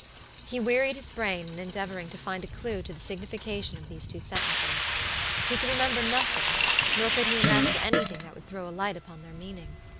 He wearied his brain in endeavoring to find a clew to the signification of these two sentences. He could remember nothing, nor could he imagine anything that would throw a light upon their meaning.